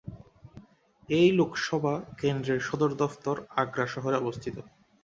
এই লোকসভা কেন্দ্রের সদর দফতর আগ্রা শহরে অবস্থিত।